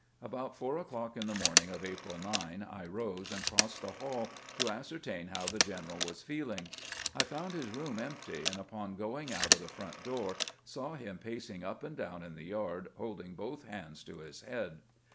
About four o'clock on the morning of April 9 I 464 CAMPAIGNING WITH GRANT rose and crossed the hall to ascertain how the general was feeling. I found his room empty, and npon going out of the front door, saw him pacing up and down in the yard, holding both hands to his head.